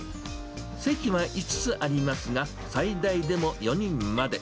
席は５つありますが、最大でも４人まで。